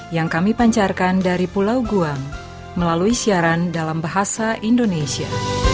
yang kami pancarkan dari pulau guang melalui siaran dalam bahasa indonesia